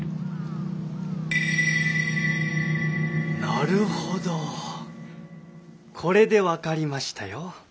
なるほどこれで分かりましたよ。